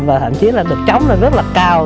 và thậm chí là được trống lên rất là cao